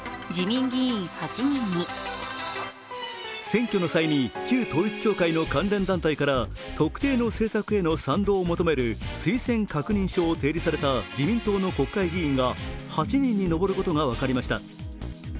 選挙の際に旧統一教会の関連団体から特定の政策への賛同を求める推薦確認書を提示された自民党の国会議員が８人に上ることが分かりました。